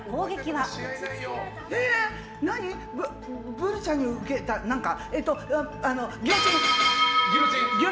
ブルちゃんに受けた何か？